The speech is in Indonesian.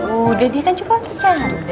udah dia kan juga bercanda